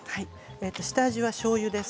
下味はしょうゆです。